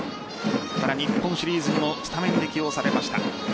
日本シリーズもスタメンで起用されました。